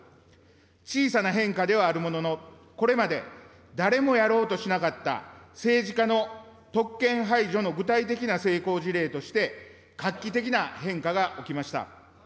小さな変化ではあるものの、これまで誰もやろうとしなかった政治家の特権排除の具体的な成功事例として、画期的な変化が起きました。